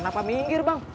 kenapa minggir bang